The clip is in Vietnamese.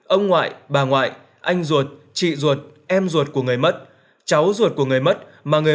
ông ngoại bà ngoại anh ruột chị ruột em ruột của người mất cháu ruột của người mất mà người